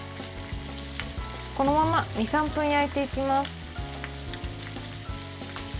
このまま２３分焼いていきます。